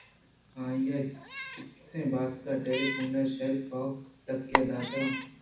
آئی ءَ چپّیں باسک ٹیلی فون ءِ شیلف ءَ تِکہ داتگ اَت